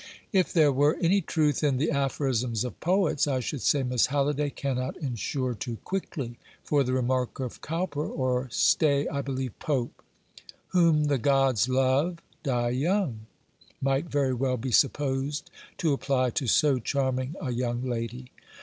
If there were any truth in the aphorisms of poets, I should say Miss Halliday cannot insure too quickly; for the remark of Cowper or, stay, I believe Pope 'whom the gods love die young,' might very well be supposed to apply to so charming a young lady.